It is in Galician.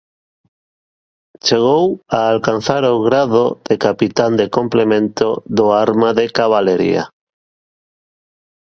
Chegou a alcanzar o grado de capitán de complemento do Arma de Cabalería.